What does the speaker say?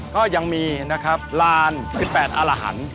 ก็ยังมีลาน๑๘อลหันทร์